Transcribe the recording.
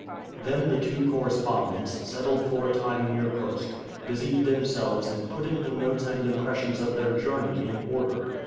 Then the two correspondents, settled for a time in Irkutsk, busied themselves in putting the notes and impressions of their journey in order.